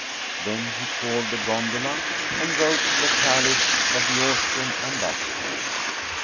Then he called a gondola and rowed to the palace of the Austrian ambassador.